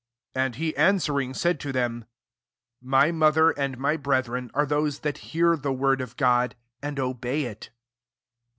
'^ 21 And he answeri&g, said to them, My mother and my brethren are those that hear the word of God, and obey «^.